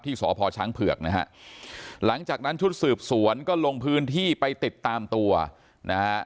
สพช้างเผือกนะฮะหลังจากนั้นชุดสืบสวนก็ลงพื้นที่ไปติดตามตัวนะฮะ